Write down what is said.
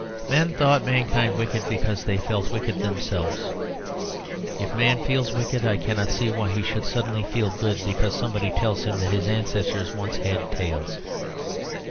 Men thought mankind wicked because they felt wicked themselves. If a man feels wicked, I cannot see why he should suddenly feel good because somebody tells him that his ancestors once had tails.